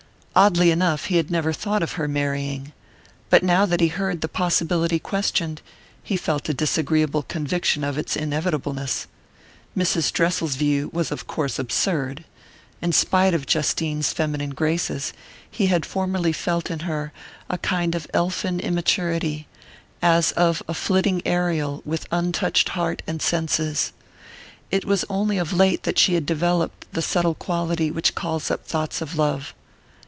Oddly enough, he had never thought of her marrying but now that he heard the possibility questioned, he felt a disagreeable conviction of its inevitableness. Mrs. Dressel's view was of course absurd. In spite of Justine's feminine graces, he had formerly felt in her a kind of elfin immaturity, as of a flitting Ariel with untouched heart and senses: it was only of late that she had developed the subtle quality which calls up thoughts of love.